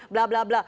blah blah blah